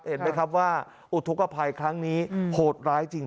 เห็นไหมครับว่าอุทธกภัยครั้งนี้โหดร้ายจริง